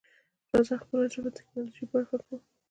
راځه خپله ژبه د ټکنالوژۍ برخه کړو.